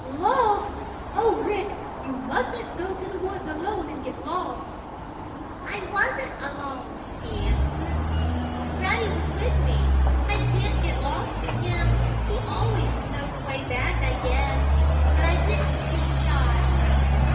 "Lost! Oh, Rick! You mustn't go to the woods alone and get lost!" "I wasn't alone," he answered. "Ruddy was with me. I can't get lost with him. He always will know the way back, I guess. But I didn't see Chot."